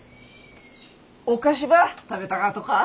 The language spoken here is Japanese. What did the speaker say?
お菓子ば食べたかとか。